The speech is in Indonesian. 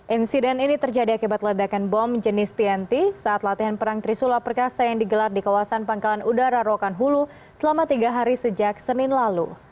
insiden ini terjadi akibat ledakan bom jenis tianti saat latihan perang trisula perkasa yang digelar di kawasan pangkalan udara rokan hulu selama tiga hari sejak senin lalu